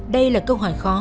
đây là câu hỏi khó